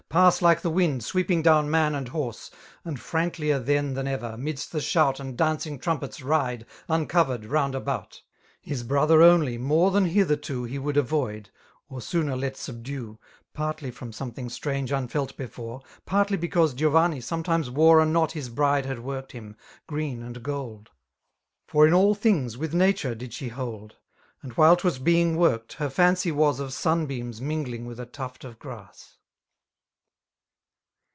Pass like the wind, sweeping down man and horse. And f ranklier then dian ever, midst the shout And dancing trumpete ride, uncovered, round atout f His brother only, more than hithaio, ^ He wotild avoid, or sooner let subdue. 61 Partly from somethkig strao^ itnfdA belore, Paoify Ibecmnse GicfranDi somclimefl wore A knot lu8 bride had worked him, green and gold^ * For in aU things with nature did she hold; And while 'twas being worked> her fancy was Of sunbeams mingling witib a tuft of grass.